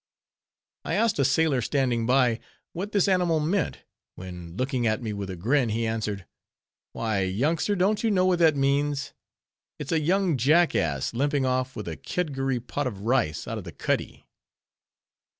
I asked a sailor standing by, what this animal meant, when, looking at me with a grin, he answered, "Why, youngster, don't you know what that means? It's a young jackass, limping off with a kedgeree pot of rice out of the cuddy."